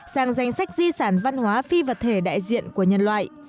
sang danh sách di sản văn hóa phi vật thể đại diện của nhân loại